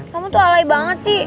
kamu tuh alai banget sih